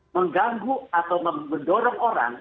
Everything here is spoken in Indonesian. mengganggu atau mendorong orang